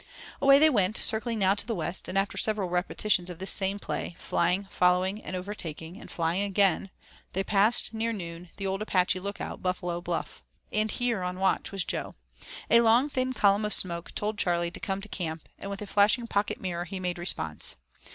Away they went, circling now to the west, and after several repetitions of this same play, flying, following, and overtaking, and flying again, they passed, near noon, the old Apache look out, Buffalo Bluff. And here, on watch, was Jo. A long thin column of smoke told Charley to come to camp, and with a flashing pocket mirror he made response.